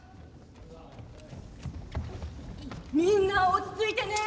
みんな落ち着いてね。